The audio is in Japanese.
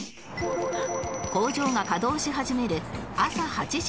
工場が稼働し始める朝８時に潜入